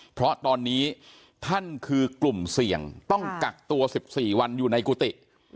เพราะตอนนี้ท่านคือกลุ่มเสี่ยงต้องกักตัว๑๔วันอยู่ในกุฏิ